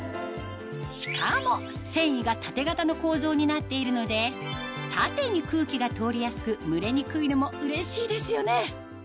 しかも繊維が縦型の構造になっているので縦に空気が通りやすく蒸れにくいのもうれしいですよね！